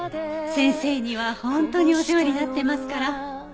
先生には本当にお世話になってますから。